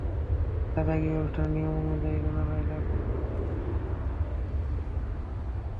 দাদাগিরি অনুষ্ঠানের নিয়ম অনুযায়ী রুনা লায়লার পাশাপাশি আরও কয়েকজন প্রতিযোগী থাকবেন খেলায়।